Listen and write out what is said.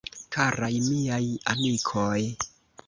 Karaj Miaj Amikoj!